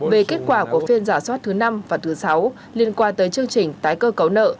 về kết quả của phiên giả soát thứ năm và thứ sáu liên quan tới chương trình tái cơ cấu nợ